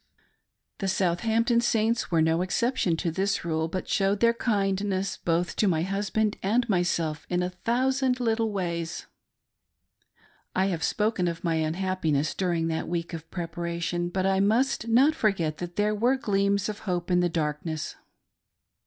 The Southampton Saints were no exception to this rule, but showed their kindness both to my husband and myself in a thousand little ways. I have spoken of my I unhappiness during that week of preparation, but I must not forget that there were gleams of hope in the dark ,i ness.